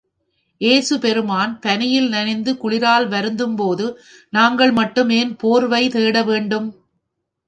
ஏசு பெருமான் பனியில் நனைந்து குளிரால் வருந்தும்போதும், நாங்கள் மட்டும் ஏன் போர்வை தேட வேண்டும்?